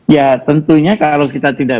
ya tentunya kalau kita tidak